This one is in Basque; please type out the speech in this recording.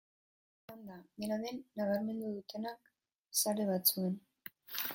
Izan da, dena den, nabarmendu dutenak zale batzuen.